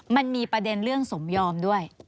มันมีประเด็นเรื่องสมยอมด้วย